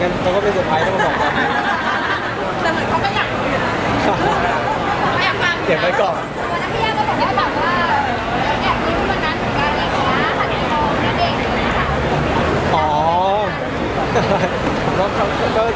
ท่านแหงก็คิดว่าอยากมาถึงคุณผู้หนังของการครบราวะหันตรีรองเขาอย่างเด็ก